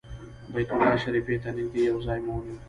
بیت الله شریفې ته نږدې یو ځای مو ونیو.